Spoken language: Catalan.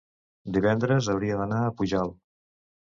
divendres hauria d'anar a Pujalt.